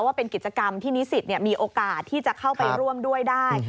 ว่าเป็นกิจกรรมที่นิสิตมีโอกาสที่จะเข้าไปร่วมด้วยได้